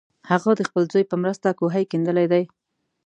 هغه د خپل زوی په مرسته کوهی کیندلی دی.